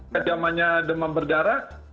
kejamannya demam berdarah